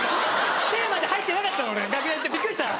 テーマで入ってなかったの俺楽屋行ってびっくりした。